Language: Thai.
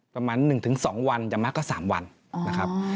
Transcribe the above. ประมาณ๑๒วันอย่างมากก็๓วันนะครับ